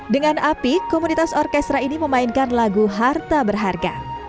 dengan api komunitas orkestra ini memainkan lagu harta berharga